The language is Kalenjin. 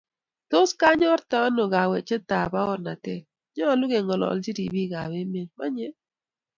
Tos kanyorten ano kawechet ap paornatet? Nyalu keng'ololji ribik ap emet, manye?